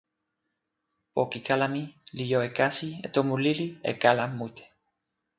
poki kala mi li jo e kasi e tomo lili e kala mute.